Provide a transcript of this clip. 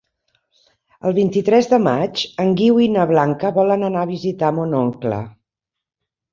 El vint-i-tres de maig en Guiu i na Blanca volen anar a visitar mon oncle.